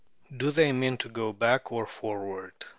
Do they mean to go back or forward?